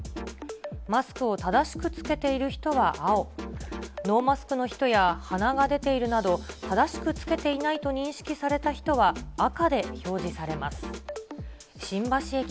マスクを正しく着けている人は青、ノーマスクの人や鼻が出ているなど、正しくつけていないと認識された人は赤で表示されます。